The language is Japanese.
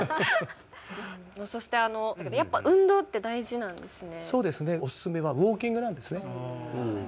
そしてやっぱ運動って大事なんですね